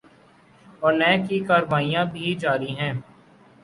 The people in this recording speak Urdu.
اورنیب کی کارروائیاں بھی جاری ہیں۔